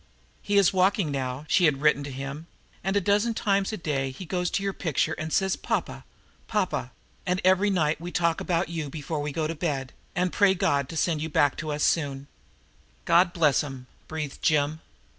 "He is walking now," she had written to him, "and a dozen times a day he goes to your picture and says 'Pa pa Pa pa' and every night we talk about you before we go to bed, and pray God to send you back to us soon." "God bless 'em!" breathed Jim.